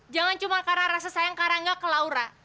jangan cuma karena rasa sayang karangga ke laura